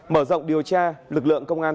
mở rộng điều tra lực lượng công an